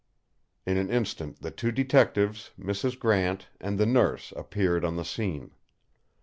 In an instant the two Detectives, Mrs. Grant, and the Nurse appeared on the scene.